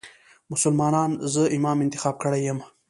مسلمانانو زه امام انتخاب کړی یم.